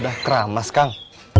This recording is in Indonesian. udah keramas kang